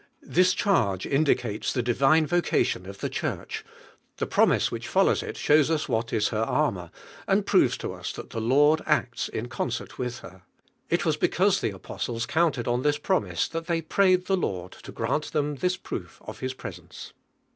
This charge indicates the divine vocal inn of the Church; (he promise which Minus it shows ns what is her armour, and proves to ns that the Lord acts in concert with her. I.f was because the apostles counted on this premise that they prayed the Lord to gran! them this proof of His presence.